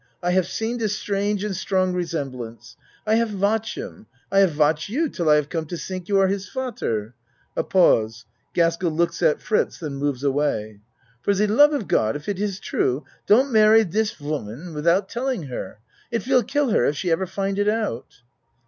I haf seen dis strange and strong resemblance. I haf watch him I haf watch you till I haf come to tink you are his fadder. (A pause Gaskell looks at Fritz then moves away.) For de love of God if it is true don't marry dis woman without telling her it will kill her if she ever find it out.